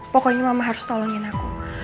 pokoknya mama harus tolongin aku